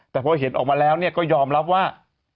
แต่พอเห็นออกมาแล้วก็ยอมรับว่า